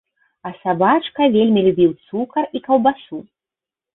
А сабачка вельмі любіў цукар і каўбасу.